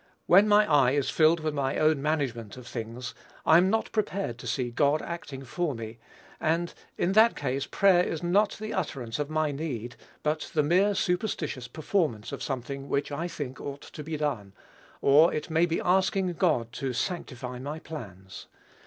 When my eye is filled with my own management of things, I am not prepared to see God acting for me; and in that case prayer is not the utterance of my need, but the mere superstitious performance of something which I think ought to be done, or it may be asking God to sanctify my plans.